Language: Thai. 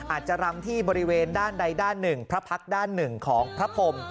อาจจะรำที่บริเวณด้านใดด้านหนึ่งพระพักษ์ด้านหนึ่งของพระพรม